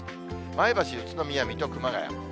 前橋、宇都宮、水戸、熊谷。